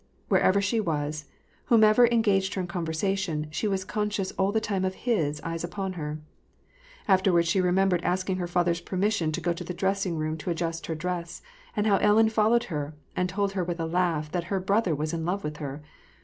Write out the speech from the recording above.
Wherever she was, whoever engaged her in conversation, she was conscious all the time of his eyes upon her. After wards she remembered asking her father's permission to go to the dressing room to adjust her dress, and how Ellen followed her, and told her with a laugh that her brother was in love with her.